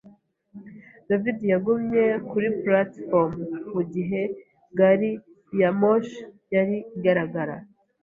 David yagumye kuri platifomu mugihe gari ya moshi yari igaragara.